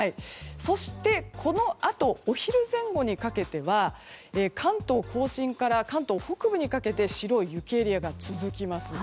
このあとお昼前後にかけては関東・甲信から関東北部にかけて白い雪エリアが続きます。